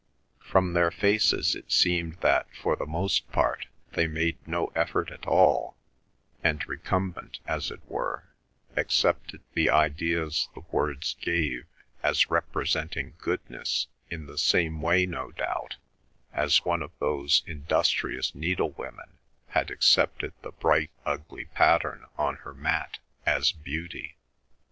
From their faces it seemed that for the most part they made no effort at all, and, recumbent as it were, accepted the ideas the words gave as representing goodness, in the same way, no doubt, as one of those industrious needlewomen had accepted the bright ugly pattern on her mat as beauty.